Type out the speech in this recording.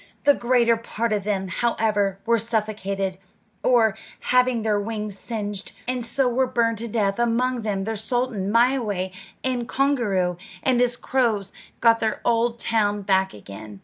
The greater part of them, however, were suffocated, or, having their wings singed, could not fly away, and so were burned to death, among them their sultan, Mwayway; and Koongooroo and his crows got their old town back again.